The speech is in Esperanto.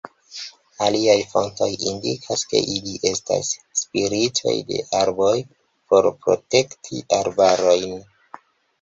Aliaj fontoj indikas, ke ili estas spiritoj de arboj por protekti arbarojn.